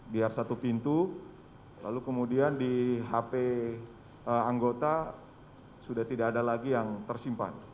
biar satu pintu lalu kemudian di hp anggota sudah tidak ada lagi yang tersimpan